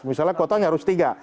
misalnya kuotanya harus tiga